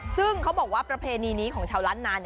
ซึ่งเขาบอกว่าประเพณีนี้ของชาวล้านนาน